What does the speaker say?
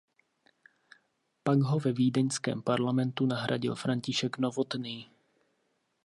Pak ho ve vídeňském parlamentu nahradil František Novotný.